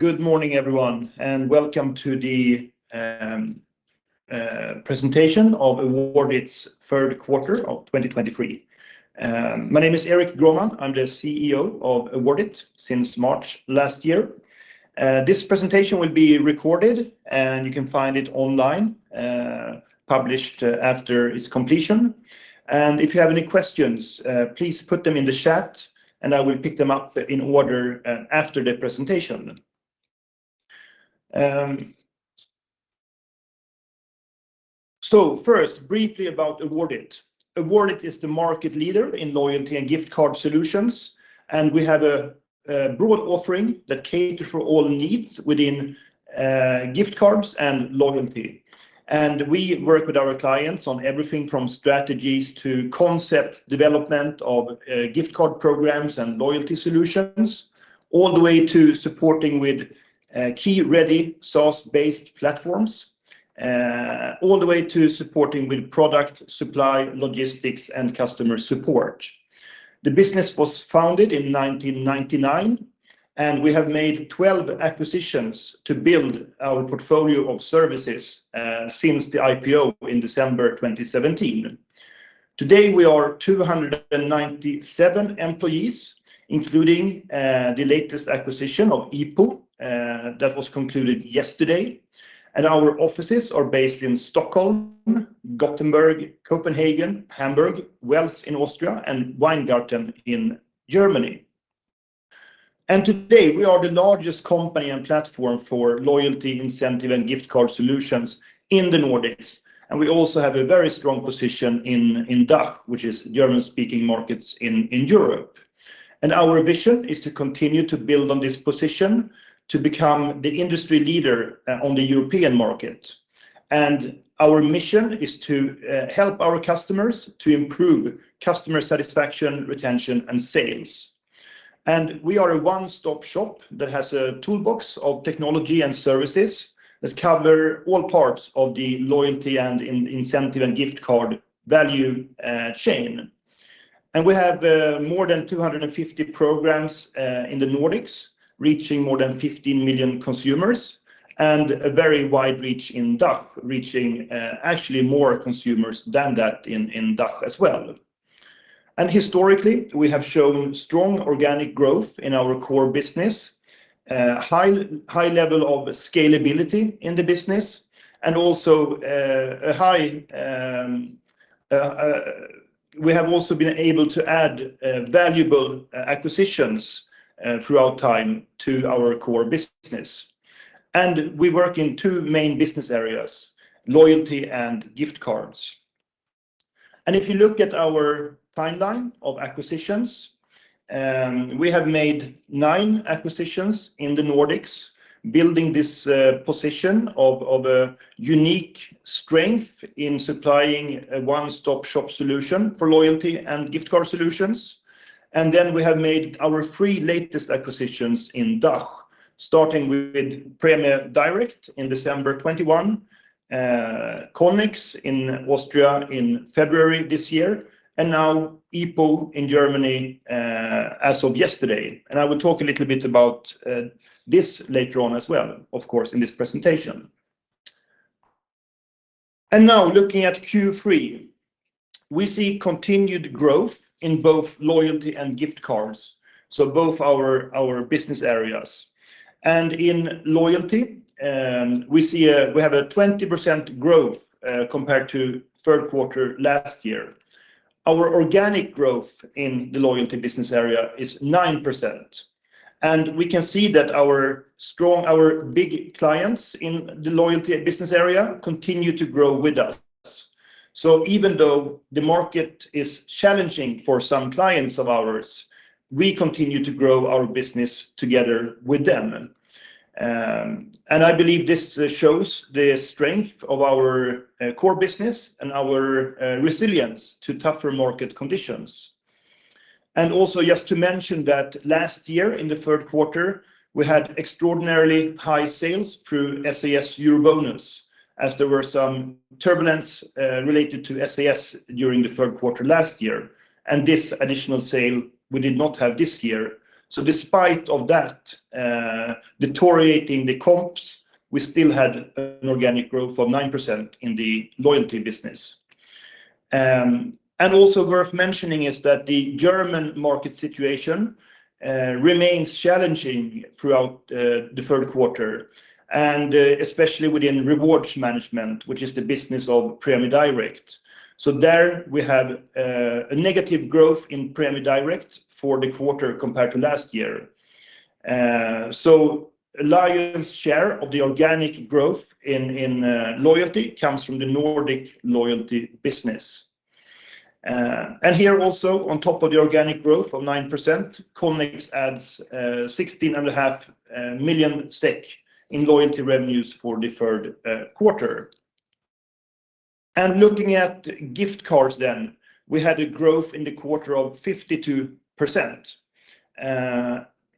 Good morning, everyone, and welcome to the presentation of Awardit's third quarter of 2023. My name is Erik Grohman. I'm the CEO of Awardit since March last year. This presentation will be recorded, and you can find it online, published after its completion. If you have any questions, please put them in the chat, and I will pick them up in order, after the presentation. First, briefly about Awardit. Awardit is the market leader in loyalty and gift card solutions, and we have a broad offering that cater for all needs within gift cards and loyalty. We work with our clients on everything from strategies to concept development of gift card programs and loyalty solutions, all the way to supporting with key ready SaaS-based platforms, all the way to supporting with product, supply, logistics, and customer support. The business was founded in 1999, and we have made 12 acquisitions to build our portfolio of services since the IPO in December 2017. Today, we are 297 employees, including the latest acquisition of IPO that was concluded yesterday. Our offices are based in Stockholm, Gothenburg, Copenhagen, Hamburg, Wels in Austria, and Weingarten in Germany. Today, we are the largest company and platform for loyalty, incentive, and gift card solutions in the Nordics, and we also have a very strong position in DACH, which is German-speaking markets in Europe. Our vision is to continue to build on this position to become the industry leader, uh, on the European market. Our mission is to, uh, help our customers to improve customer satisfaction, retention, and sales. We are a one-stop shop that has a toolbox of technology and services that cover all parts of the loyalty and incentive and gift card value, uh, chain. We have, uh, more than 250 programs, uh, in the Nordics, reaching more than 15 million consumers, and a very wide reach in DACH, reaching, uh, actually more consumers than that in, in DACH as well. Historically, we have shown strong organic growth in our core business, high level of scalability in the business, and also, we have also been able to add valuable acquisitions throughout time to our core business. We work in two main business areas: loyalty and gift cards. If you look at our timeline of acquisitions, we have made nine acquisitions in the Nordics, building this position of a unique strength in supplying a one-stop shop solution for loyalty and gift card solutions. Then we have made our three latest acquisitions in DACH, starting with Prämie Direkt in December 2021, Connex in Austria in February this year, and now IPO in Germany, as of yesterday. I will talk a little bit about this later on as well, of course, in this presentation. Now, looking at Q3, we see continued growth in both loyalty and gift cards, so both our business areas. In loyalty, we have a 20% growth compared to third quarter last year. Our organic growth in the loyalty business area is 9%, and we can see that our big clients in the loyalty business area continue to grow with us. Even though the market is challenging for some clients of ours, we continue to grow our business together with them. I believe this shows the strength of our core business and our resilience to tougher market conditions. And also, just to mention that last year in the third quarter, we had extraordinarily high sales through SAS EuroBonus, as there were some turbulence related to SAS during the third quarter last year, and this additional sale we did not have this year. So despite of that deteriorating the comps, we still had an organic growth of 9% in the loyalty business. And also worth mentioning is that the German market situation remains challenging throughout the third quarter, and especially within rewards management, which is the business of Prämie Direkt. So there we have a negative growth in Prämie Direkt for the quarter compared to last year. So lion's share of the organic growth in loyalty comes from the Nordic loyalty business. Here also, on top of the organic growth of 9%, Connex adds 16.5 million SEK in loyalty revenues for the third quarter. Looking at gift cards then, we had a growth in the quarter of 52%.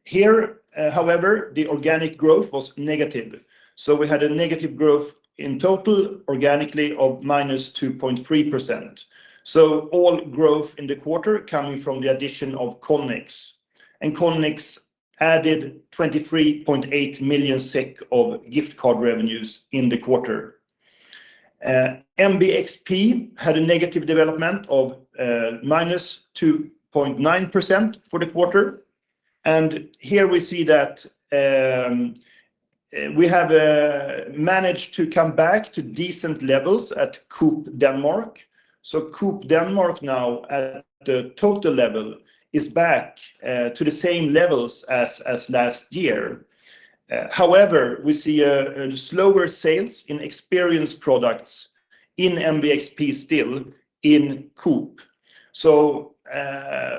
Here, however, the organic growth was negative, so we had a negative growth in total, organically, of -2.3%. All growth in the quarter coming from the addition of Connex, and Connex added 23.8 million SEK of gift card revenues in the quarter. MBXP had a negative development of -2.9% for the quarter. Here we see that we have managed to come back to decent levels at Coop Denmark. So Coop Denmark now, at the total level, is back to the same levels as last year. However, we see a slower sales in experience products in MBXP, still in Coop. So,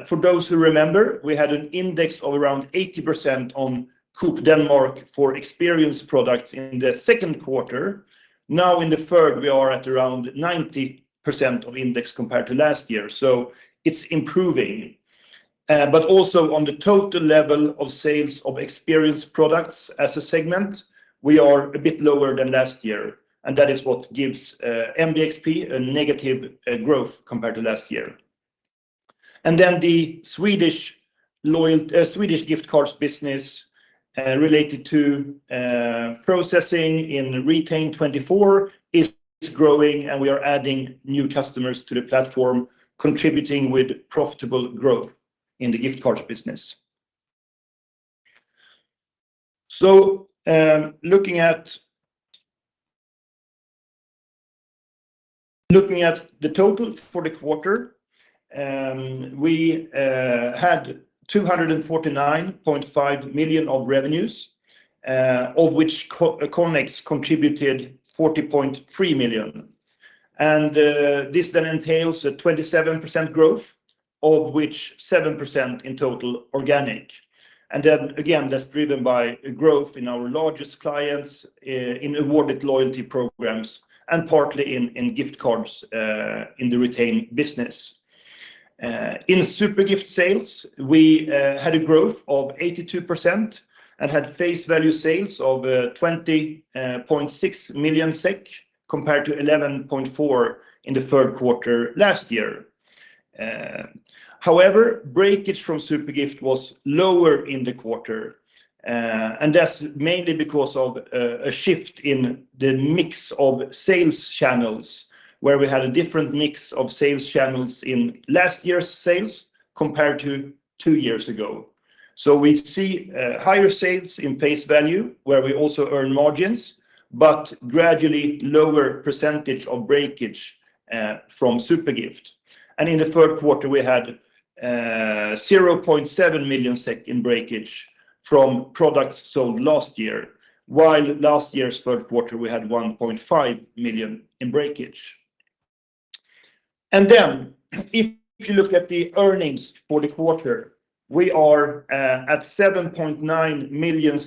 for those who remember, we had an index of around 80% on Coop Denmark for experience products in the second quarter. Now, in the third, we are at around 90% of index compared to last year, so it's improving. But also on the total level of sales of experience products as a segment, we are a bit lower than last year, and that is what gives MBXP a negative growth compared to last year. Then the Swedish gift cards business, related to processing in Retain24, is growing, and we are adding new customers to the platform, contributing with profitable growth in the gift cards business. So, looking at the total for the quarter, we had 249.5 million of revenues, of which Connex contributed 40.3 million. And this then entails a 27% growth, of which 7% in total organic. And then again, that's driven by a growth in our largest clients in Awardit loyalty programs and partly in gift cards in the Retain business. In Zupergift sales, we had a growth of 82% and had face value sales of 20.6 million SEK, compared to 11.4 million in the third quarter last year. However, breakage from Zupergift was lower in the quarter, and that's mainly because of a shift in the mix of sales channels, where we had a different mix of sales channels in last year's sales compared to two years ago. So we see higher sales in face value, where we also earn margins, but gradually lower percentage of breakage from Zupergift. And in the third quarter, we had 0.7 million in breakage from products sold last year, while last year's third quarter, we had 1.5 million in breakage. Then, if you look at the earnings for the quarter, we are at 7.9 million,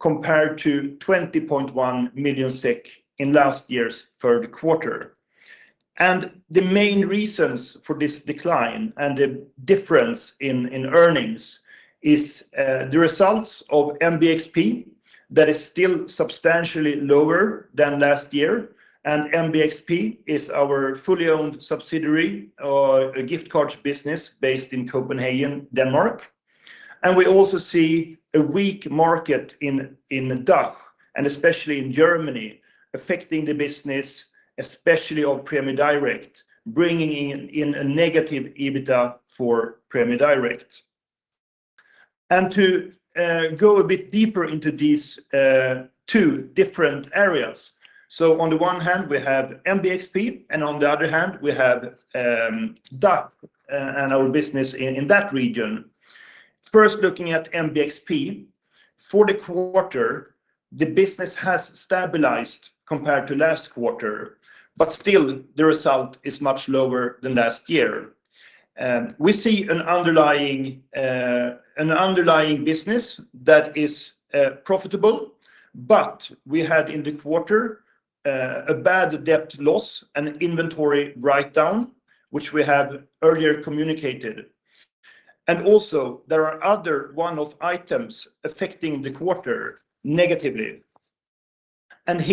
compared to 20.1 million in last year's third quarter. The main reasons for this decline and the difference in earnings is the results of MBXP that is still substantially lower than last year. MBXP is our fully owned subsidiary gift cards business based in Copenhagen, Denmark. We also see a weak market in DACH, and especially in Germany, affecting the business, especially on Prämie Direkt, bringing in a negative EBITDA for Prämie Direkt. To go a bit deeper into these two different areas. So on the one hand, we have MBXP, and on the other hand, we have DACH and our business in that region. First, looking at MBXP, for the quarter, the business has stabilized compared to last quarter, but still the result is much lower than last year. We see an underlying, an underlying business that is, profitable, but we had in the quarter, a bad debt loss and inventory write-down, which we have earlier communicated. And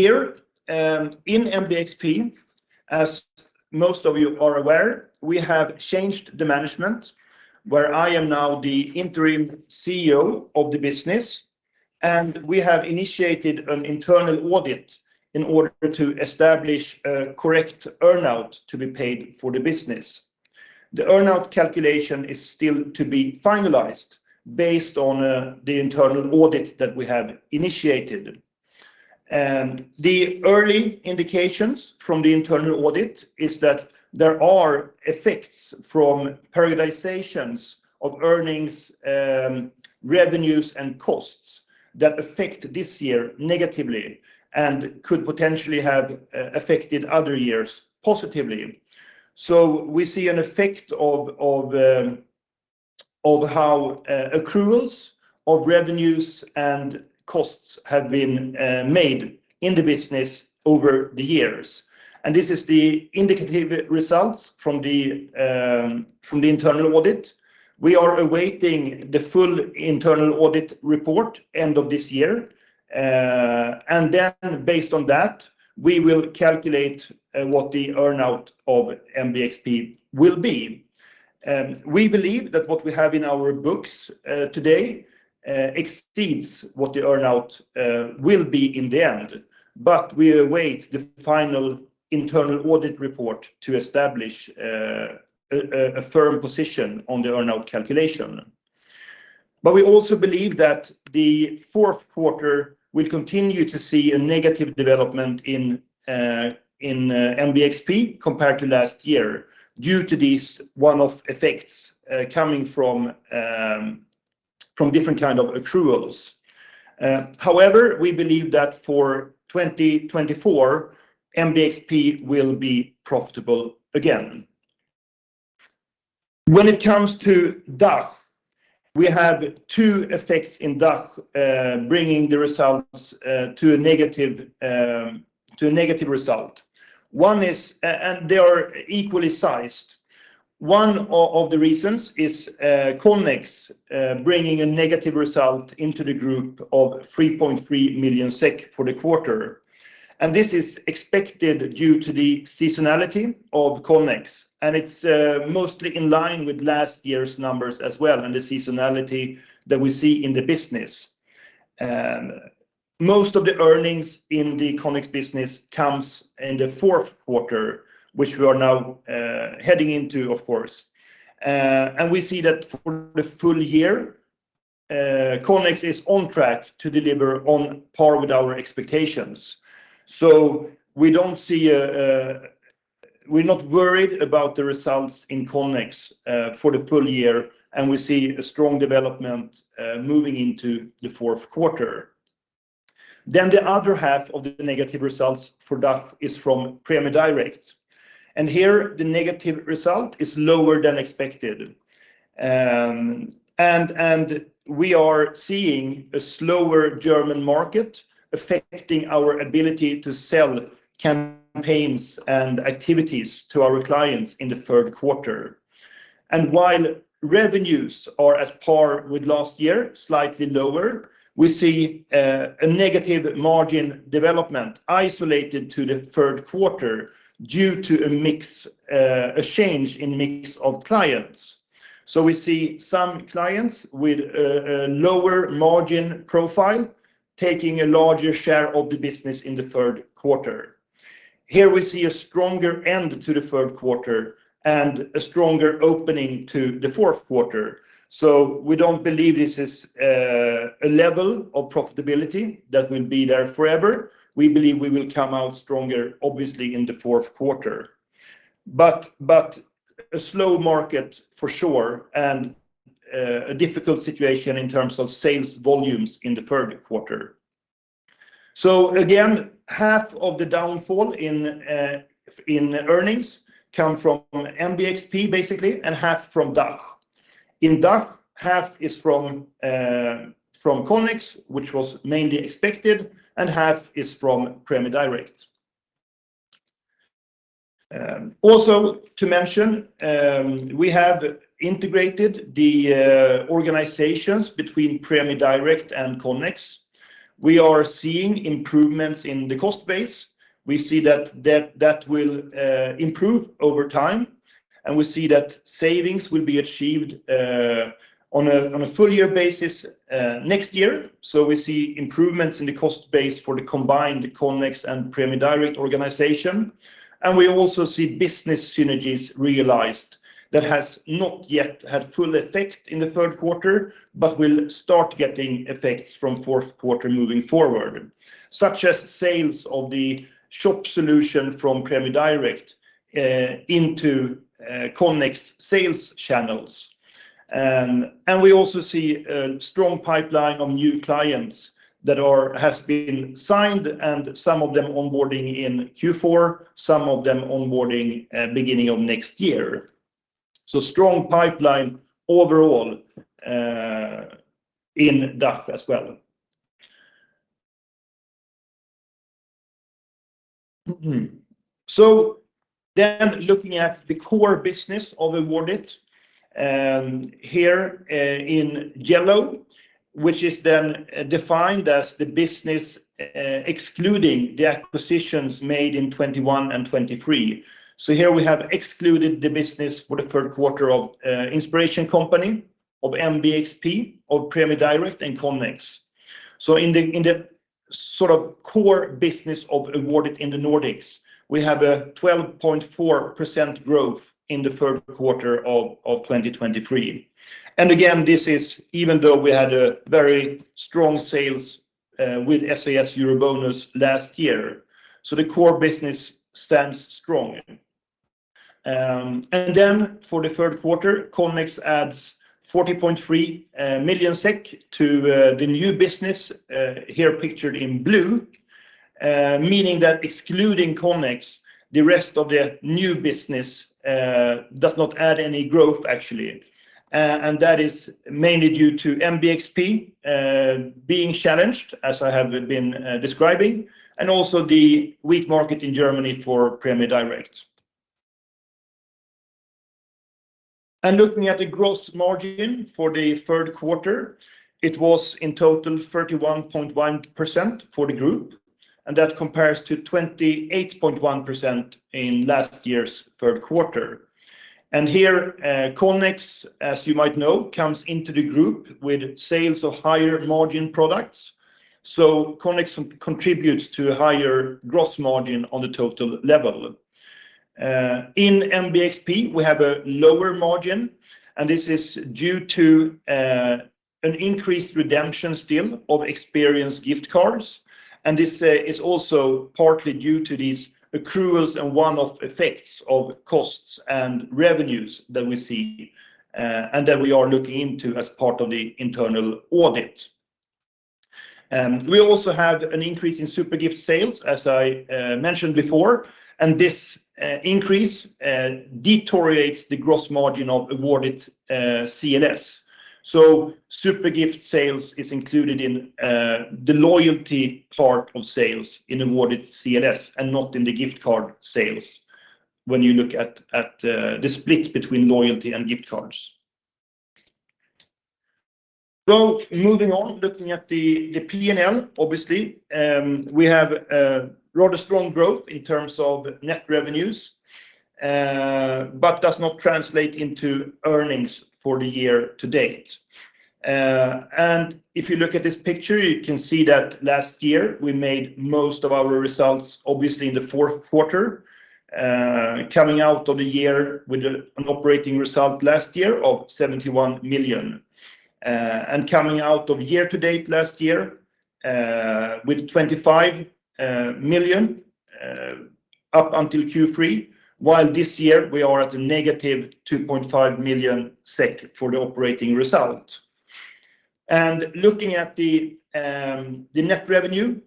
here, in MBXP, as most of you are aware, we have changed the management, where I am now the interim CEO of the business, and we have initiated an internal audit in order to establish a correct earn-out to be paid for the business. The earn-out calculation is still to be finalized based on, the internal audit that we have initiated. The early indications from the internal audit is that there are effects from periodizations of earnings, revenues, and costs that affect this year negatively and could potentially have affected other years positively. So we see an effect of how accruals of revenues and costs have been made in the business over the years. This is the indicative results from the internal audit. We are awaiting the full internal audit report end of this year, and then based on that, we will calculate what the earn-out of MBXP will be. We believe that what we have in our books today exceeds what the earn-out will be in the end, but we await the final internal audit report to establish a firm position on the earn-out calculation. But we also believe that the fourth quarter will continue to see a negative development in MBXP compared to last year, due to these one-off effects coming from different kind of accruals. However, we believe that for 2024, MBXP will be profitable again. When it comes to DACH, we have two effects in DACH bringing the results to a negative result. One is, and they are equally sized. One of the reasons is Connex bringing a negative result into the group of 3.3 million SEK for the quarter. And this is expected due to the seasonality of Connex, and it's mostly in line with last year's numbers as well, and the seasonality that we see in the business. Most of the earnings in the Connex business comes in the fourth quarter, which we are now heading into, of course. And we see that for the full year, Connex is on track to deliver on par with our expectations. So we don't see a. We're not worried about the results in Connex for the full year, and we see a strong development moving into the fourth quarter. Then the other half of the negative results for DACH is from Prämie Direkt, and here the negative result is lower than expected. And we are seeing a slower German market affecting our ability to sell campaigns and activities to our clients in the third quarter. And while revenues are on par with last year, slightly lower, we see a negative margin development isolated to the third quarter due to a mix, a change in mix of clients. So we see some clients with a lower margin profile, taking a larger share of the business in the third quarter. Here we see a stronger end to the third quarter and a stronger opening to the fourth quarter. So we don't believe this is a level of profitability that will be there forever. We believe we will come out stronger, obviously, in the fourth quarter, but a slow market for sure, and a difficult situation in terms of sales volumes in the third quarter. So again, half of the downfall in earnings come from MBXP, basically, and half from DACH. In DACH, half is from from Connex, which was mainly expected, and half is from Prämie Direkt. Also to mention, we have integrated the organizations between Prämie Direkt and Connex. We are seeing improvements in the cost base. We see that that will improve over time, and we see that savings will be achieved on a full-year basis next year. So we see improvements in the cost base for the combined Connex and Prämie Direkt organization, and we also see business synergies realized that has not yet had full effect in the third quarter, but will start getting effects from fourth quarter moving forward, such as sales of the shop solution from Prämie Direkt into Connex sales channels. We also see a strong pipeline of new clients that has been signed and some of them onboarding in Q4, some of them onboarding beginning of next year. So strong pipeline overall in DACH as well. So then looking at the core business of Awardit here in yellow, which is then defined as the business excluding the acquisitions made in 2021 and 2023. So here we have excluded the business for the third quarter of The Inspiration Company, of MBXP, of Prämie Direkt, and Connex. So in the sort of core business of Awardit in the Nordics, we have a 12.4% growth in the third quarter of 2023. And again, this is even though we had a very strong sales with SAS EuroBonus last year, so the core business stands strong. And then for the third quarter, Connex adds 40.3 million SEK to the new business here pictured in blue, meaning that excluding Connex, the rest of the new business does not add any growth, actually. And that is mainly due to MBXP being challenged, as I have been describing, and also the weak market in Germany for Prämie Direkt. And looking at the gross margin for the third quarter, it was in total 31.1% for the group, and that compares to 28.1% in last year's third quarter. And here, Connex, as you might know, comes into the group with sales of higher margin products. So Connex contributes to a higher gross margin on the total level. In MBXP, we have a lower margin, and this is due to an increased redemption still of experienced gift cards, and this is also partly due to these accruals and one-off effects of costs and revenues that we see, and that we are looking into as part of the internal audit. And we also have an increase in Zupergift sales, as I mentioned before, and this increase deteriorates the gross margin of Awardit CNS. So Zupergift sales is included in the loyalty part of sales in Awardit CNS and not in the gift card sales when you look at the split between loyalty and gift cards. So moving on, looking at the P&L, obviously, we have rather strong growth in terms of net revenues, but does not translate into earnings for the year-to-date. If you look at this picture, you can see that last year we made most of our results, obviously, in the fourth quarter, coming out of the year with an operating result last year of 71 million. Coming out of year-to-date last year with 25 million up until Q3, while this year we are at a -2.5 million SEK for the operating result. Looking at the net revenue,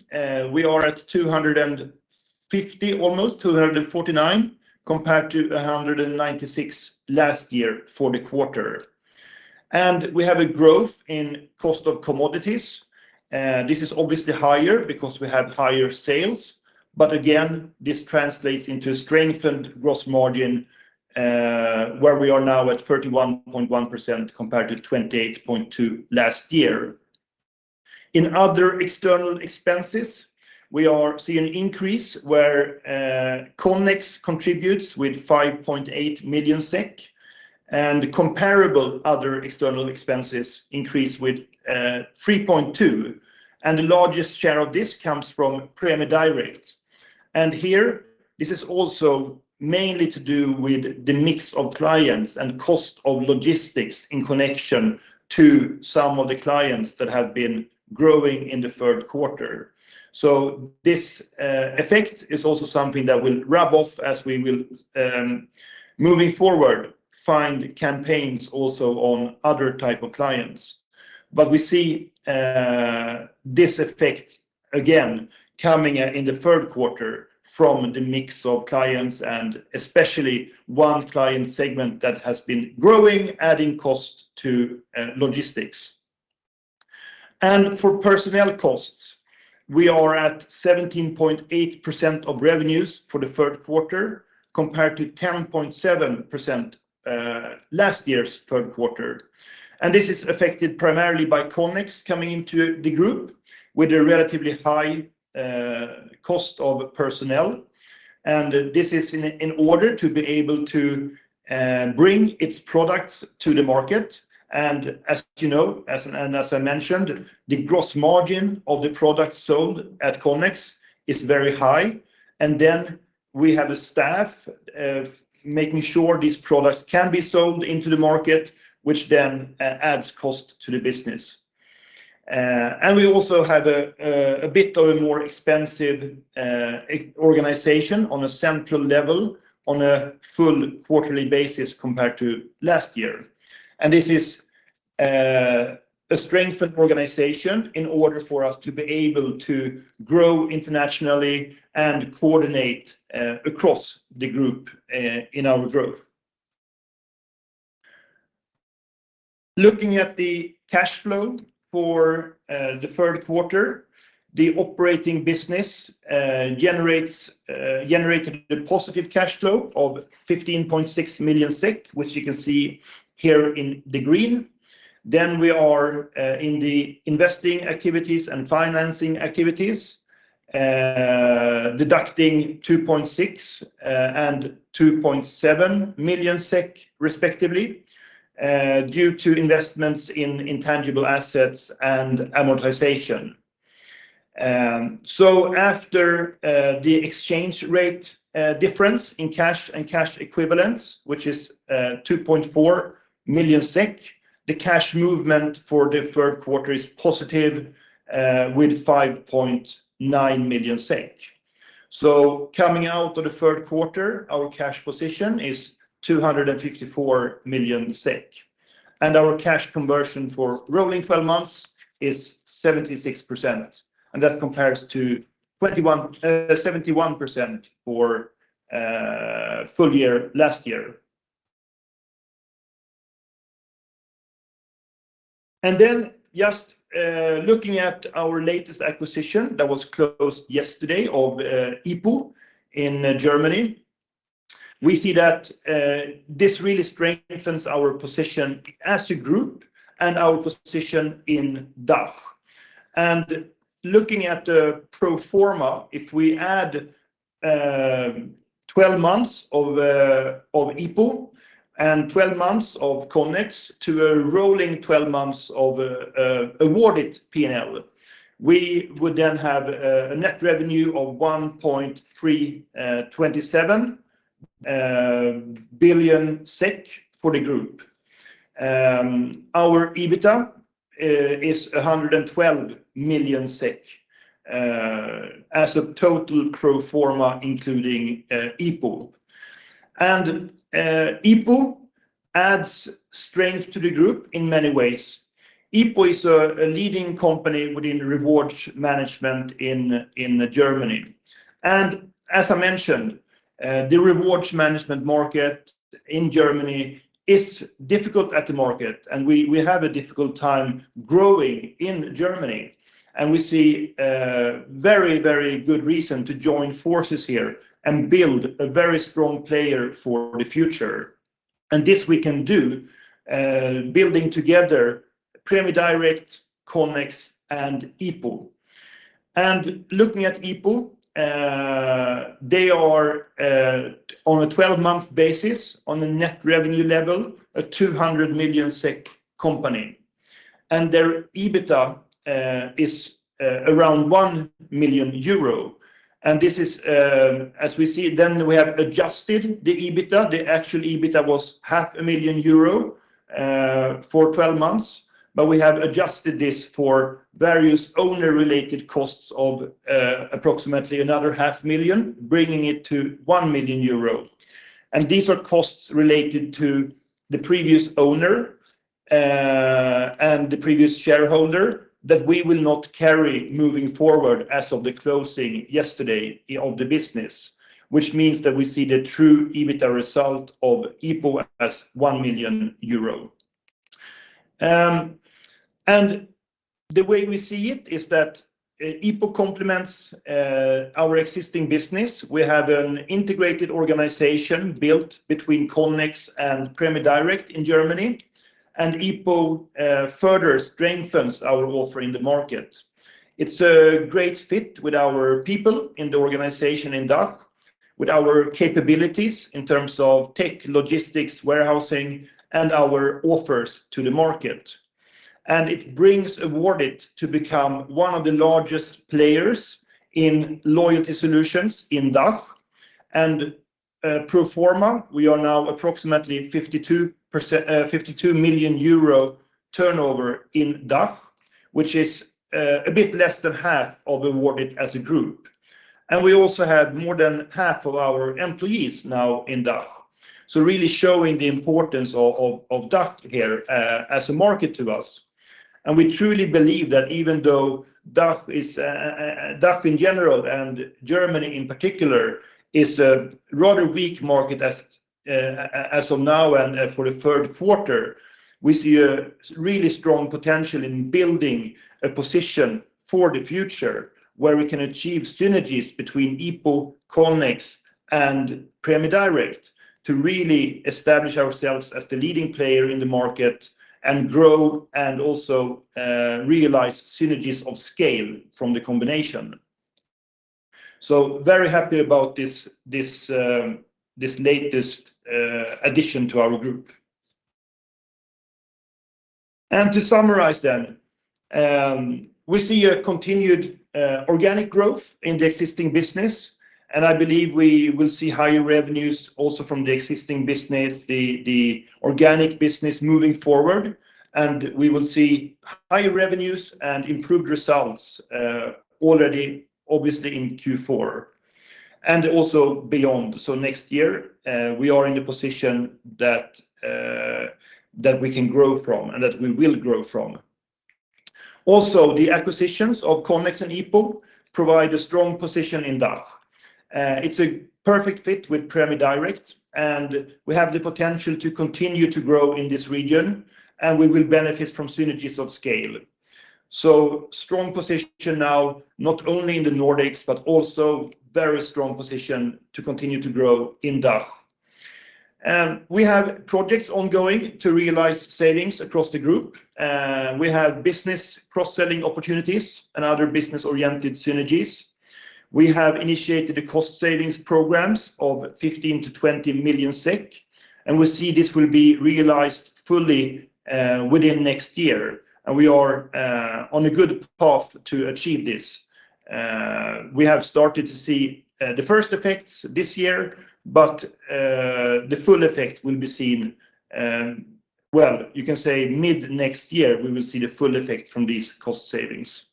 we are at 250, almost 249, compared to 196 last year for the quarter. We have a growth in cost of commodities. This is obviously higher because we have higher sales, but again, this translates into a strengthened gross margin, where we are now at 31.1%, compared to 28.2% last year. In other external expenses, we see an increase where Connex contributes with 5.8 million SEK, and comparable other external expenses increase with 3.2 million, and the largest share of this comes from Prämie Direkt. Here, this is also mainly to do with the mix of clients and cost of logistics in connection to some of the clients that have been growing in the third quarter. This effect is also something that will rub off as we will, moving forward, find campaigns also on other type of clients. But we see this effect again coming in the third quarter from the mix of clients and especially one client segment that has been growing, adding cost to logistics. And for personnel costs, we are at 17.8% of revenues for the third quarter, compared to 10.7% last year's third quarter. And this is affected primarily by Connex coming into the group with a relatively high cost of personnel. And this is in order to be able to bring its products to the market. And as you know, as I mentioned, the gross margin of the products sold at Connex is very high. And then we have a staff of making sure these products can be sold into the market, which then adds cost to the business. And we also have a bit of a more expensive organization on a central level, on a full quarterly basis, compared to last year. This is a strengthened organization in order for us to be able to grow internationally and coordinate across the group in our growth. Looking at the cash flow for the third quarter, the operating business generates generated a positive cash flow of 15.6 million SEK, which you can see here in the green. Then we are in the investing activities and financing activities deducting 2.6 million and 2.7 million SEK respectively due to investments in intangible assets and amortization. So after the exchange rate difference in cash and cash equivalents, which is 2.4 million SEK, the cash movement for the third quarter is positive with 5.9 million SEK. So coming out of the third quarter, our cash position is 254 million SEK, and our cash conversion for rolling 12 months is 76%, and that compares to 21.71% for full year last year. Then just looking at our latest acquisition that was closed yesterday of IPO in Germany, we see that this really strengthens our position as a group and our position in DACH. Looking at the pro forma, if we add 12 months of IPO and 12 months of Connex to a rolling 12 months of Awardit P&L, we would then have a net revenue of 1.327 billion SEK for the group. Our EBITDA is 112 million SEK as a total pro forma, including IPO. And IPO adds strength to the group in many ways. IPO is a leading company within reward management in Germany. And as I mentioned, the rewards management market in Germany is difficult at the market, and we have a difficult time growing in Germany. And we see a very, very good reason to join forces here and build a very strong player for the future. This we can do, building together Prämie Direkt, Connex, and IPO. Looking at IPO, they are on a 12-month basis, on a net revenue level, a 200 million SEK company, and their EBITDA is around 1 million euro. This is, as we see it, then we have adjusted the EBITDA. The actual EBITDA was 0.5 million euro for 12 months, but we have adjusted this for various owner-related costs of approximately another 0.5 million, bringing it to 1 million euro. These are costs related to the previous owner and the previous shareholder, that we will not carry moving forward as of the closing yesterday of the business, which means that we see the true EBITDA result of IPO as 1 million euro. And the way we see it is that IPO complements our existing business. We have an integrated organization built between Connex and Prämie Direkt in Germany, and IPO further strengthens our offer in the market. It's a great fit with our people in the organization in DACH, with our capabilities in terms of tech, logistics, warehousing, and our offers to the market. It brings Awardit to become one of the largest players in loyalty solutions in DACH. Pro forma, we are now approximately 52 million euro turnover in DACH, which is a bit less than 1/2 of Awardit as a group. We also have more than 1/2 of our employees now in DACH. So really showing the importance of DACH here as a market to us. We truly believe that even though DACH is DACH in general and Germany in particular is a rather weak market as of now and for the third quarter, we see a really strong potential in building a position for the future, where we can achieve synergies between IPO, Connex, and Prämie Direkt to really establish ourselves as the leading player in the market and grow and also realize synergies of scale from the combination. Very happy about this, this, this latest addition to our group. To summarize then, we see a continued organic growth in the existing business, and I believe we will see higher revenues also from the existing business, the, the organic business moving forward, and we will see higher revenues and improved results already obviously in Q4 and also beyond. So next year, we are in a position that we can grow from and that we will grow from. Also, the acquisitions of Connex and IPO provide a strong position in DACH. It's a perfect fit with Prämie Direkt, and we have the potential to continue to grow in this region, and we will benefit from synergies of scale. So strong position now, not only in the Nordics, but also very strong position to continue to grow in DACH. We have projects ongoing to realize savings across the group. We have business cross-selling opportunities and other business-oriented synergies. We have initiated a cost savings programs of 15 million- 20 million SEK, and we see this will be realized fully, within next year, and we are on a good path to achieve this. We have started to see the first effects this year, but the full effect will be seen, well, you can say mid-next year. We will see the full effect from these cost savings.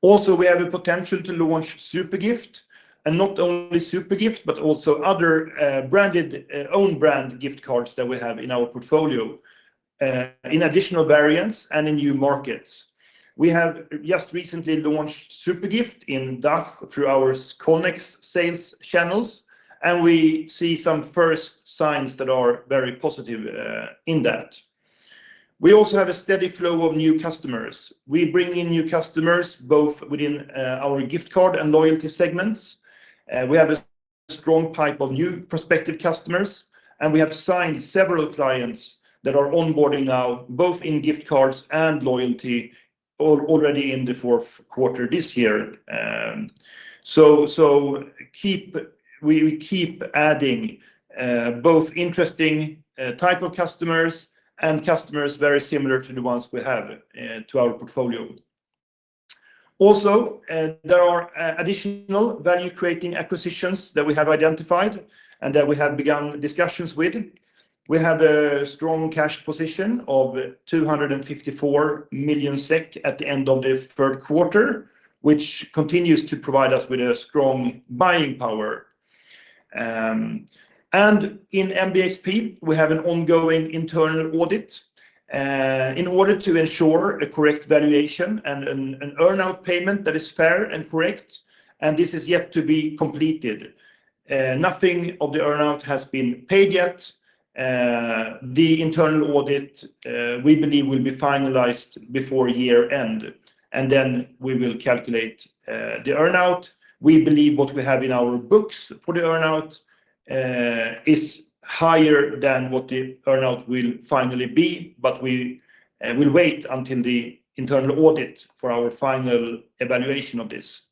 Also, we have a potential to launch Zupergift, and not only Zupergift, but also other branded own brand gift cards that we have in our portfolio in additional variants and in new markets. We have just recently launched Zupergift in DACH through our Connex sales channels, and we see some first signs that are very positive in that. We also have a steady flow of new customers. We bring in new customers, both within our gift card and loyalty segments. We have a strong pipe of new prospective customers, and we have signed several clients that are onboarding now, both in gift cards and loyalty, already in the fourth quarter this year. We keep adding both interesting type of customers and customers very similar to the ones we have to our portfolio. Also, there are additional value-creating acquisitions that we have identified and that we have begun discussions with. We have a strong cash position of 254 million SEK at the end of the third quarter, which continues to provide us with a strong buying power. In MBXP, we have an ongoing internal audit in order to ensure a correct valuation and an earn-out payment that is fair and correct, and this is yet to be completed. Nothing of the earn-out has been paid yet. The internal audit, we believe, will be finalized before year-end, and then we will calculate the earn-out. We believe what we have in our books for the earn-out is higher than what the earn-out will finally be, but we will wait until the internal audit for our final evaluation of this.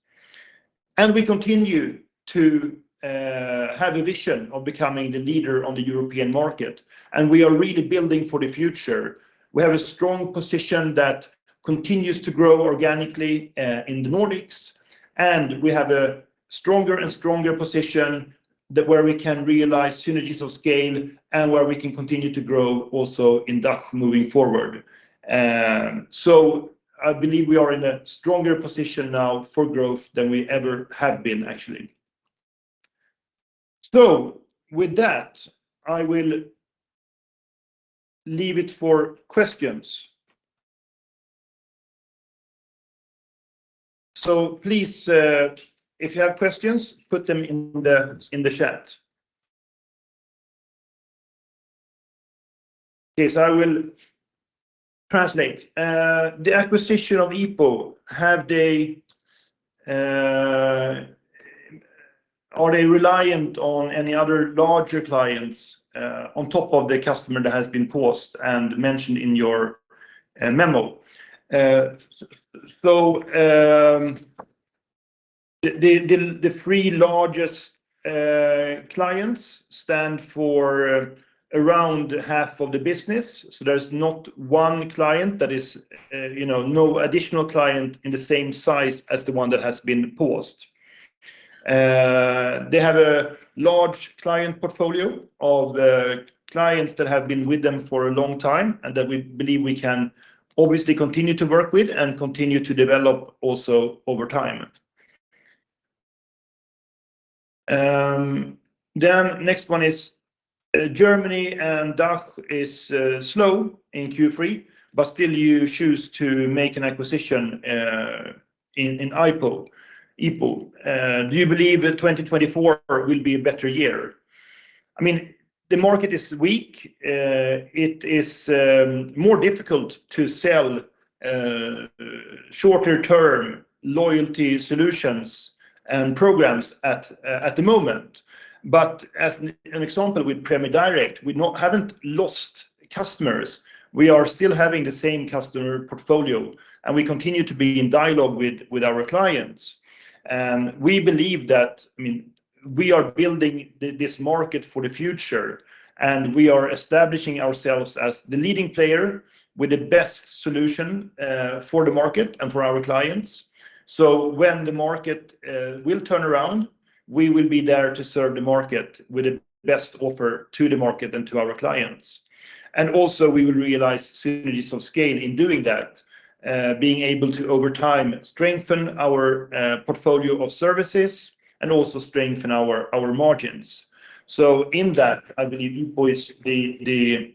We continue to have a vision of becoming the leader on the European market, and we are really building for the future. We have a strong position that continues to grow organically in the Nordics, and we have a stronger and stronger position that where we can realize synergies of scale and where we can continue to grow also in DACH moving forward. So I believe we are in a stronger position now for growth than we ever have been, actually. So with that, I will leave it for questions. So please, if you have questions, put them in the chat. Yes, I will translate. The acquisition of IPO, have they—are they reliant on any other larger clients, on top of the customer that has been paused and mentioned in your memo? So, the three largest clients stand for around half of the business, so there's not one client that is, you know, no additional client in the same size as the one that has been paused. They have a large client portfolio of clients that have been with them for a long time, and that we believe we can obviously continue to work with and continue to develop also over time. Then next one is, Germany and DACH is slow in Q3, but still you choose to make an acquisition in IPO. Do you believe that 2024 will be a better year? I mean, the market is weak. It is more difficult to sell shorter-term loyalty solutions and programs at the moment. But as an example, with Prämie Direkt, we haven't lost customers. We are still having the same customer portfolio, and we continue to be in dialogue with our clients. And we believe that, I mean, we are building this market for the future, and we are establishing ourselves as the leading player with the best solution for the market and for our clients. So when the market will turn around, we will be there to serve the market with the best offer to the market and to our clients. And also, we will realize synergies of scale in doing that, being able to, over time, strengthen our portfolio of services and also strengthen our margins. So in that, I believe IPO is the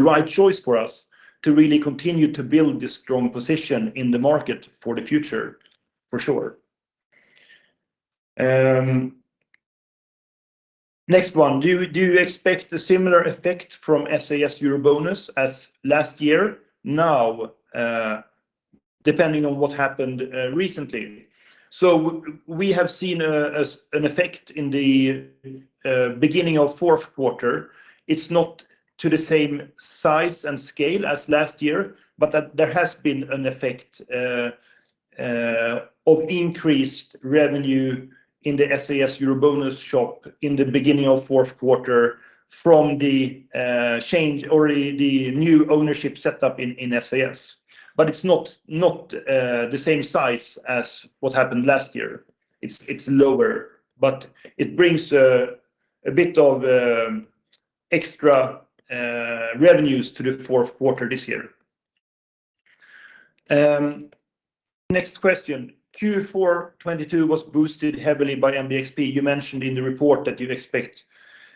right choice for us to really continue to build this strong position in the market for the future, for sure. Next one: Do you expect a similar effect from SAS EuroBonus as last year now, depending on what happened recently? So we have seen an effect in the beginning of fourth quarter. It's not to the same size and scale as last year, but that there has been an effect of increased revenue in the SAS EuroBonus shop in the beginning of fourth quarter from the change or the new ownership set up in SAS. But it's not the same size as what happened last year. It's lower, but it brings a bit of extra revenues to the fourth quarter this year. Next question. Q4 2022 was boosted heavily by MBXP. You mentioned in the report that you expect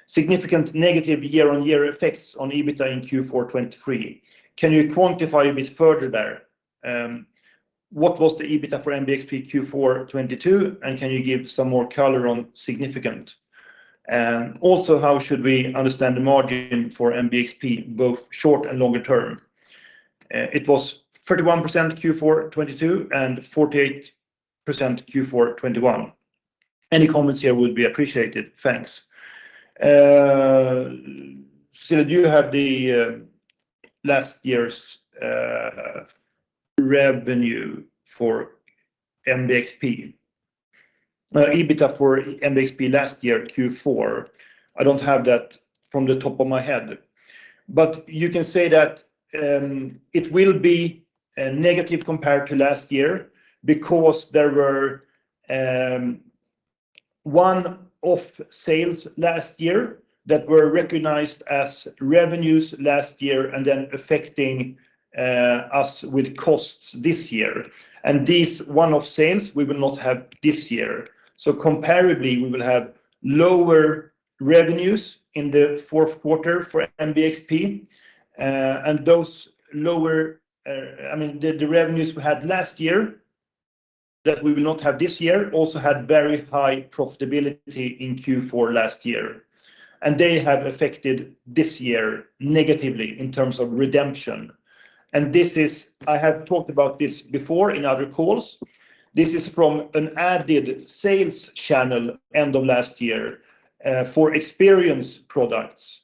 significant negative year-on-year effects on EBITDA in Q4 2023. Can you quantify a bit further there? What was the EBITDA for MBXP Q4 2022, and can you give some more color on significant? And also, how should we understand the margin for MBXP, both short and longer term? It was 31% Q4 2022 and 48% Q4 2021. Any comments here would be appreciated. Thanks. So do you have the last year's revenue for MBXP? Now, EBITDA for MBXP last year, Q4, I don't have that from the top of my head, but you can say that it will be negative compared to last year because there were one-off sales last year that were recognized as revenues last year and then affecting us with costs this year. And these one-off sales, we will not have this year. So comparably, we will have lower revenues in the fourth quarter for MBXP. And those lower—I mean, the revenues we had last year that we will not have this year also had very high profitability in Q4 last year, and they have affected this year negatively in terms of redemption. This is. I have talked about this before in other calls. This is from an added sales channel end of last year for experience products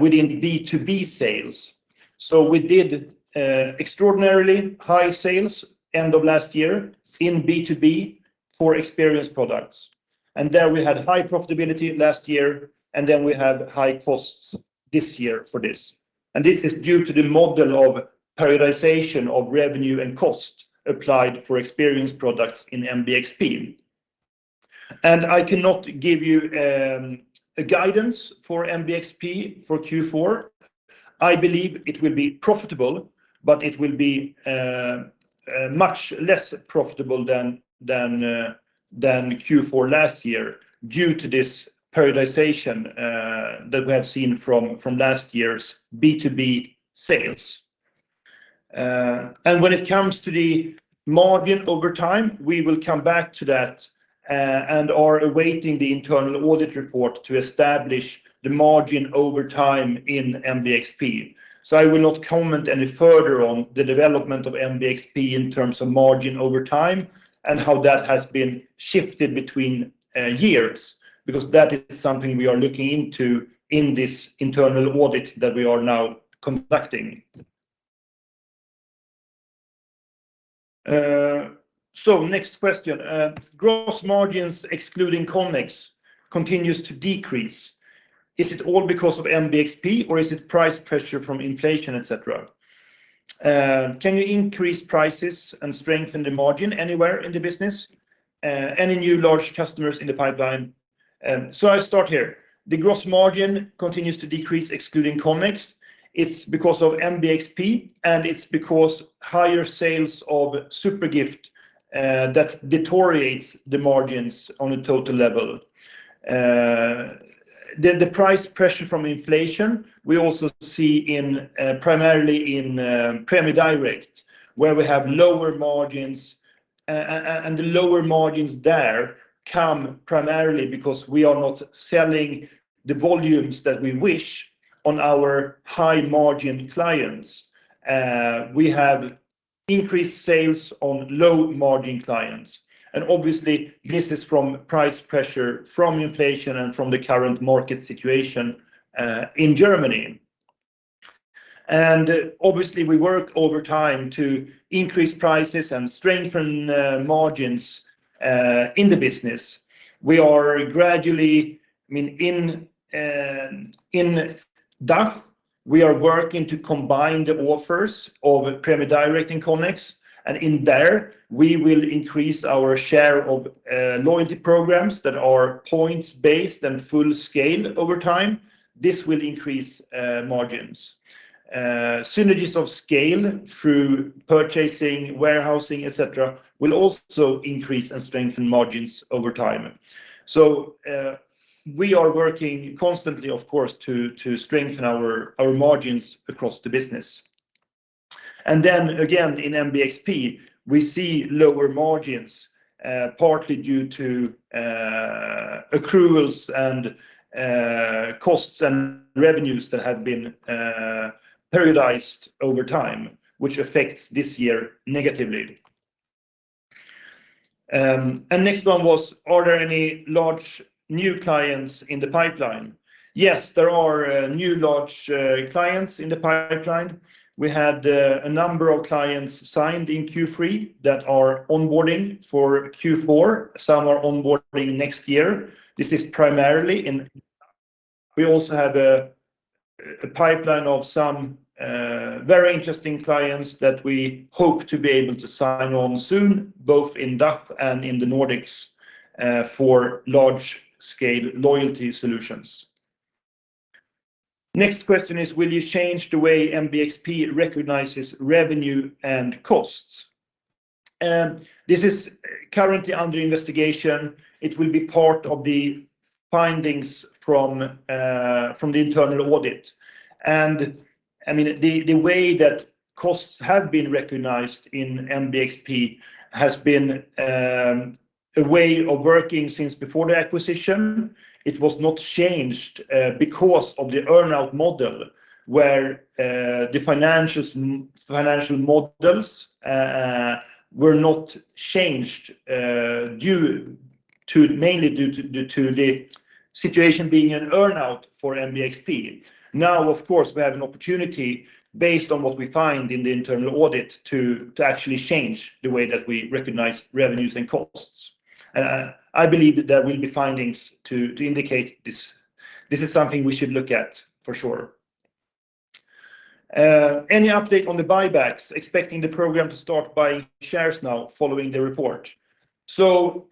within B2B sales. So we did extraordinarily high sales end of last year in B2B for experience products, and there we had high profitability last year, and then we had high costs this year for this. This is due to the model of periodization of revenue and cost applied for experience products in MBXP. I cannot give you a guidance for MBXP for Q4. I believe it will be profitable, but it will be much less profitable than Q4 last year due to this periodization that we have seen from last year's B2B sales. And when it comes to the margin over time, we will come back to that and are awaiting the internal audit report to establish the margin over time in MBXP. So I will not comment any further on the development of MBXP in terms of margin over time and how that has been shifted between years, because that is something we are looking into in this internal audit that we are now conducting. So next question. Gross margins, excluding Connex, continues to decrease. Is it all because of MBXP, or is it price pressure from inflation, et cetera? Can you increase prices and strengthen the margin anywhere in the business? Any new large customers in the pipeline? So I'll start here. The gross margin continues to decrease, excluding Connex. It's because of MBXP, and it's because of higher sales of Zupergift that deteriorates the margins on a total level. The price pressure from inflation, we also see in primarily in Prämie Direkt, where we have lower margins. And the lower margins there come primarily because we are not selling the volumes that we wish on our high-margin clients. We have increased sales on low-margin clients, and obviously this is from price pressure, from inflation, and from the current market situation in Germany. And obviously, we work over time to increase prices and strengthen margins in the business. We are gradually—I mean, in DACH, we are working to combine the offers of Prämie Direkt and Connex, and in there, we will increase our share of loyalty programs that are points-based and full scale over time. This will increase margins. Synergies of scale through purchasing, warehousing, et cetera, will also increase and strengthen margins over time. So, we are working constantly, of course, to strengthen our margins across the business. And then again, in MBXP, we see lower margins, partly due to accruals and costs and revenues that have been periodized over time, which affects this year negatively. And next one was, are there any large new clients in the pipeline? Yes, there are new large clients in the pipeline. We had a number of clients signed in Q3 that are onboarding for Q4. Some are onboarding next year. This is primarily in—we also have a pipeline of some very interesting clients that we hope to be able to sign on soon, both in DACH and in the Nordics, for large-scale loyalty solutions. Next question is: Will you change the way MBXP recognizes revenue and costs? This is currently under investigation. It will be part of the findings from the internal audit. I mean, the way that costs have been recognized in MBXP has been a way of working since before the acquisition. It was not changed because of the earn-out model, where the financial models were not changed due to mainly due to the situation being an earn-out for MBXP. Now, of course, we have an opportunity based on what we find in the internal audit, to actually change the way that we recognize revenues and costs. And I believe that there will be findings to indicate this. This is something we should look at for sure. "Any update on the buybacks? Expecting the program to start buying shares now following the report." So,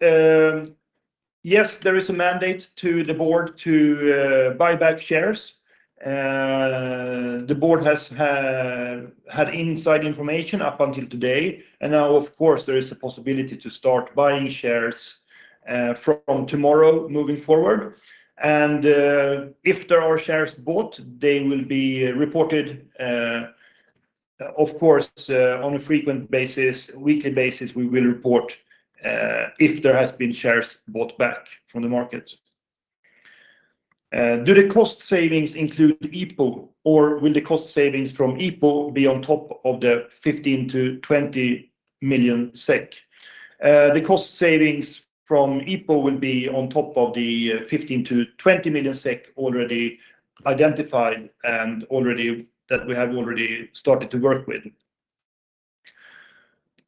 yes, there is a mandate to the board to buy back shares. The board has had inside information up until today, and now, of course, there is a possibility to start buying shares from tomorrow moving forward. And if there are shares bought, they will be reported, of course, on a frequent basis, weekly basis, we will report if there has been shares bought back from the market. Do the cost savings include IPO, or will the cost savings from IPO be on top of the 15 million-20 million SEK?" The cost savings from IPO will be on top of the 15 million-20 million SEK already identified and that we have already started to work with.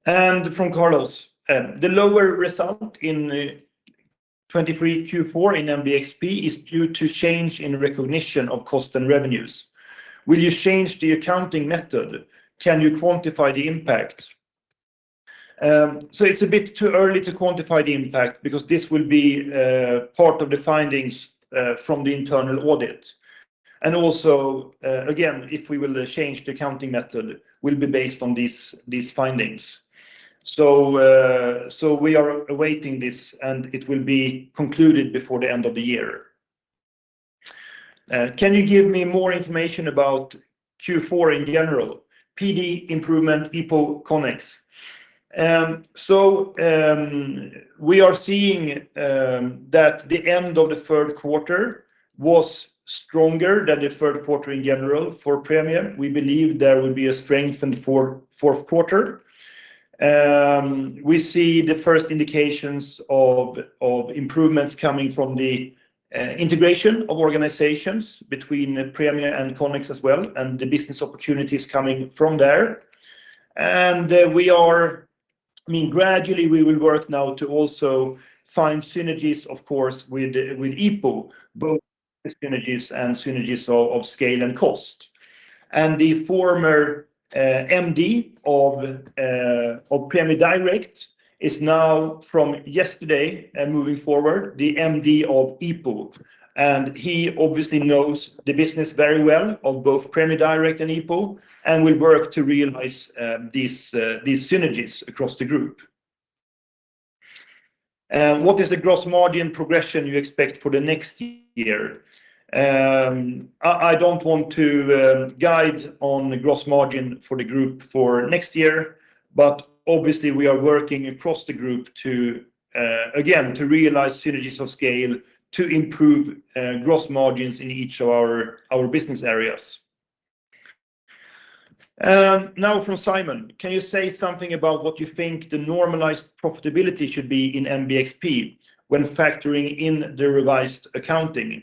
And from Carlos, "The lower result in 2023 Q4 in MBXP is due to change in recognition of cost and revenues. Will you change the accounting method? Can you quantify the impact?" So it's a bit too early to quantify the impact because this will be part of the findings from the internal audit. And also, again, if we will change the accounting method, it will be based on these findings. So we are awaiting this, and it will be concluded before the end of the year. Can you give me more information about Q4 in general? PD improvement, IPO, Connex." So, we are seeing that the end of the third quarter was stronger than the third quarter in general for Prämie. We believe there will be a strengthened fourth quarter. We see the first indications of improvements coming from the integration of organizations between Prämie and Connex as well, and the business opportunities coming from there. I mean, gradually, we will work now to also find synergies, of course, with IPO, both synergies and synergies of scale and cost. The former MD of Prämie Direkt is now from yesterday and moving forward, the MD of IPO, and he obviously knows the business very well of both Prämie Direkt and IPO and will work to realize these synergies across the group. "What is the gross margin progression you expect for the next year?" I don't want to guide on the gross margin for the group for next year, but obviously we are working across the group to again, to realize synergies of scale, to improve gross margins in each of our business areas. Now from Simon: "Can you say something about what you think the normalized profitability should be in MBXP when factoring in the revised accounting?"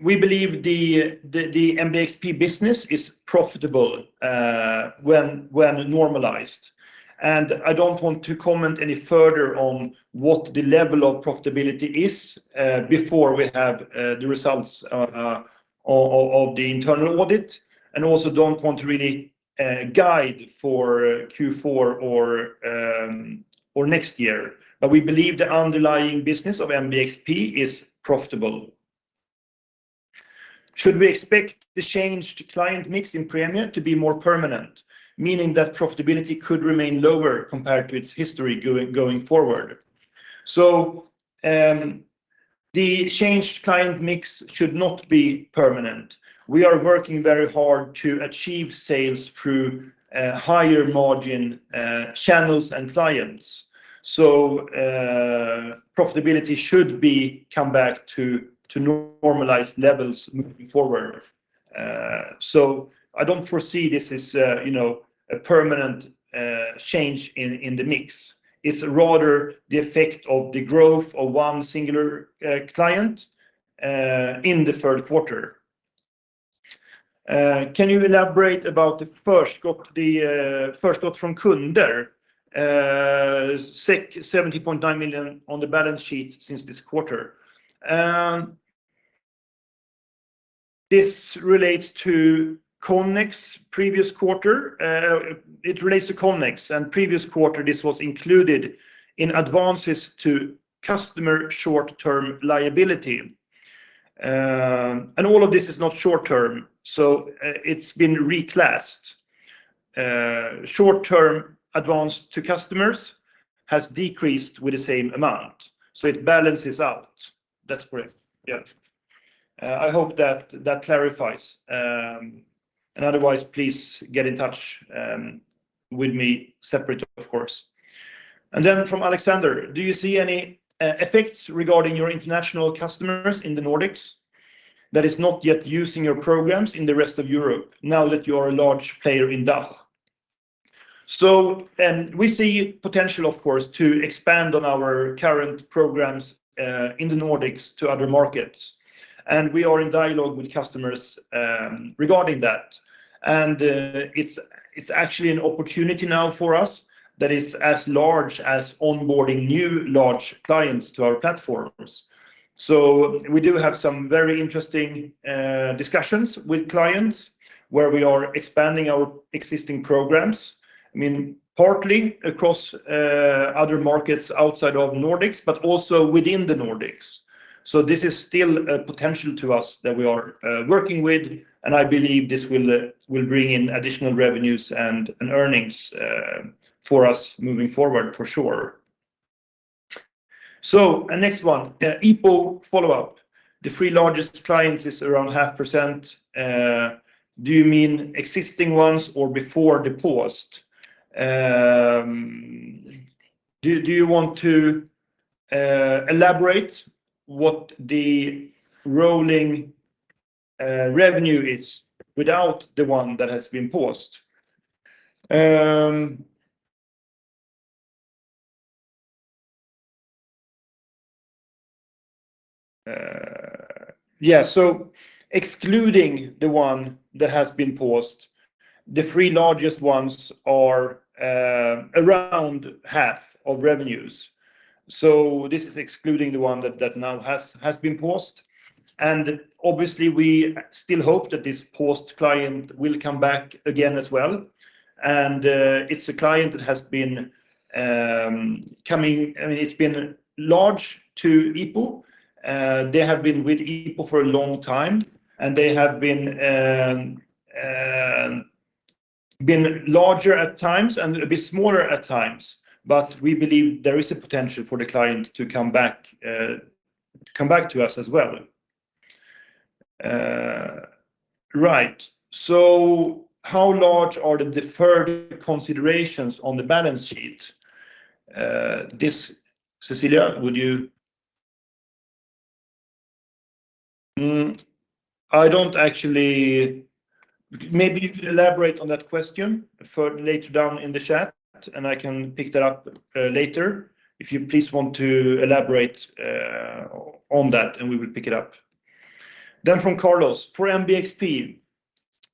We believe the MBXP business is profitable when normalized. I don't want to comment any further on what the level of profitability is before we have the results of the internal audit, and also don't want to really guide for Q4 or next year. But we believe the underlying business of MBXP is profitable. "Should we expect the change to client mix in Prämie to be more permanent, meaning that profitability could remain lower compared to its history going forward?" So, the changed client mix should not be permanent. We are working very hard to achieve sales through higher margin channels and clients. So, profitability should become back to normalized levels moving forward. So I don't foresee this as you know, a permanent change in the mix. It's rather the effect of the growth of one singular client in the third quarter. "Can you elaborate about the Förskott, the Förskott från kunder, 70.9 million on the balance sheet since this quarter?" This relates to Connex's previous quarter. It relates to Connex, and previous quarter, this was included in advances to customer short-term liability. And all of this is not short-term, so it's been reclassed. Short-term advance to customers has decreased with the same amount, so it balances out. That's correct. Yeah. I hope that that clarifies. And otherwise, please get in touch with me separate, of course. And then from Alexander: Do you see any effects regarding your international customers in the Nordics that is not yet using your programs in the rest of Europe now that you are a large player in DACH? So, and we see potential, of course, to expand on our current programs in the Nordics to other markets, and we are in dialogue with customers regarding that. And, it's actually an opportunity now for us that is as large as onboarding new large clients to our platforms. So we do have some very interesting discussions with clients where we are expanding our existing programs. I mean, partly across other markets outside of Nordics, but also within the Nordics. So this is still a potential to us that we are working with, and I believe this will bring in additional revenues and earnings for us moving forward, for sure. So, next one. The IPO follow-up. The three largest clients is around 50%. Do you mean existing ones or before the paused? Do you want to elaborate what the rolling revenue is without the one that has been paused? Yeah, so excluding the one that has been paused, the three largest ones are around 50% of revenues. So this is excluding the one that now has been paused. And, it's a client that has been coming. I mean, it's been large to IPO. They have been with IPO for a long time, and they have been larger at times and a bit smaller at times, but we believe there is a potential for the client to come back to us as well. Right. So how large are the deferred considerations on the balance sheet? This—Cecilia, would you? I don't actually—maybe if you elaborate on that question for later down in the chat, and I can pick that up later. If you please want to elaborate on that, and we will pick it up. Then from Carlos: For MBXP,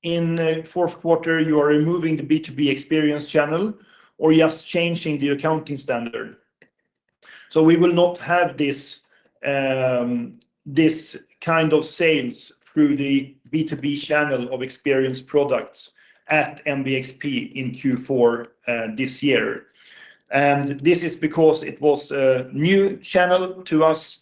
in fourth quarter, you are removing the B2B experience channel or just changing the accounting standard? So we will not have this kind of sales through the B2B channel of experience products at MBXP in Q4, this year. And this is because it was a new channel to us,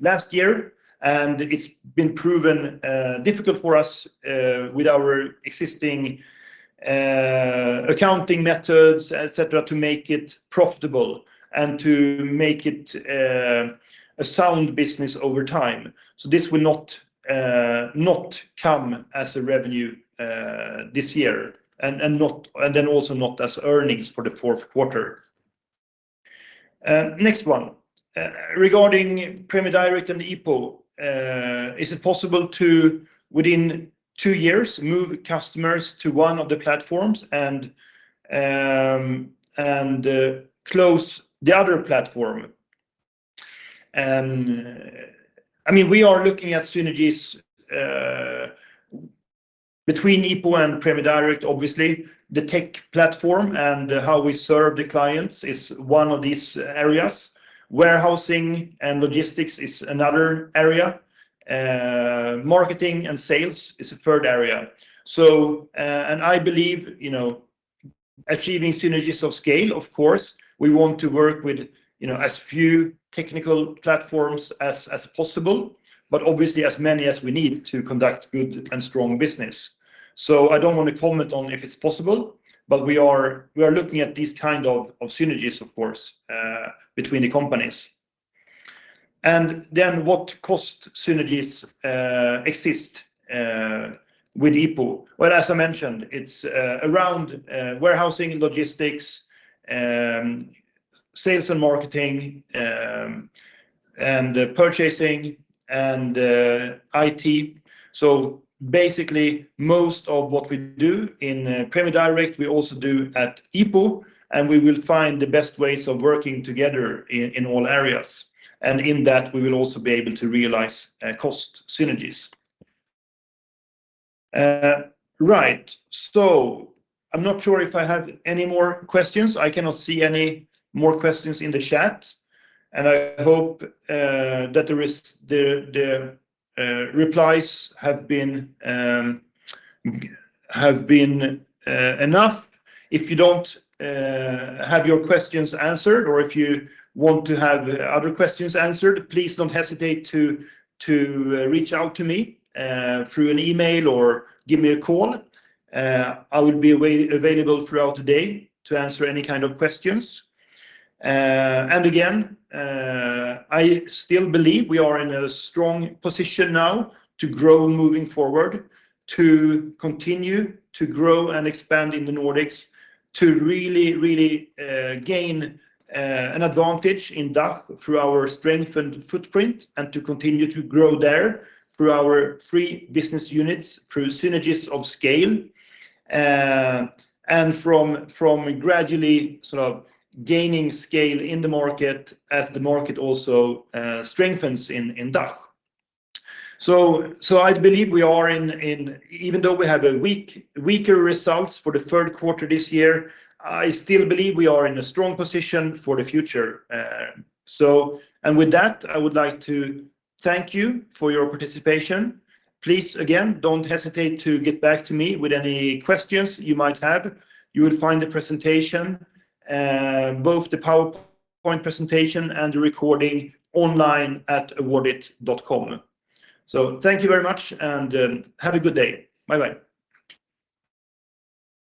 last year, and it's been proven, difficult for us, with our existing, accounting methods, et cetera, to make it profitable and to make it, a sound business over time. So this will not come as a revenue, this year, and then also not as earnings for the fourth quarter. Next one. Regarding Prämie Direkt and IPO, is it possible to, within two years, move customers to one of the platforms and, close the other platform? I mean, we are looking at synergies, between IPO and Prämie Direkt, obviously. The tech platform and how we serve the clients is one of these areas. Warehousing and logistics is another area. Marketing and sales is a third area. And I believe, you know, achieving synergies of scale, of course, we want to work with, you know, as few technical platforms as possible, but obviously as many as we need to conduct good and strong business. I don't want to comment on if it's possible, but we are looking at these kind of synergies, of course, between the companies. "And then what cost synergies exist with IPO?" Well, as I mentioned, it's around warehousing and logistics, sales and marketing, and purchasing, and IT. So basically, most of what we do in Prämie Direkt, we also do at IPO, and we will find the best ways of working together in all areas. And in that, we will also be able to realize cost synergies. Right. So I'm not sure if I have any more questions. I cannot see any more questions in the chat, and I hope that the rest—the replies have been enough. If you don't have your questions answered or if you want to have other questions answered, please don't hesitate to reach out to me through an email or give me a call. I will be available throughout the day to answer any kind of questions. And again, I still believe we are in a strong position now to grow moving forward, to continue to grow and expand in the Nordics, to really, really, gain an advantage in DACH through our strengthened footprint, and to continue to grow there through our three business units, through synergies of scale, and from gradually sort of gaining scale in the market as the market also strengthens in DACH. So I believe we are in—even though we have weaker results for the third quarter this year, I still believe we are in a strong position for the future. So, and with that, I would like to thank you for your participation. Please, again, don't hesitate to get back to me with any questions you might have. You will find the presentation, both the PowerPoint presentation and the recording online at Awardit.com. So thank you very much, and, have a good day. Bye-bye!